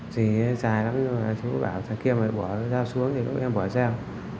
gì dài lắm rồi là chú bảo là kia mới bỏ dao xuống thì em bỏ dao